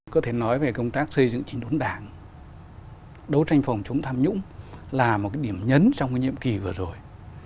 có thể nói về công tác xây dựng chính đốn đảng đấu tranh phòng chống tham nhũng là một cái điểm nhấn trong cái nhiệm kỳ vừa rồi